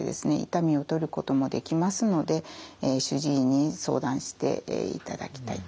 痛みを取ることもできますので主治医に相談していただきたいと思います。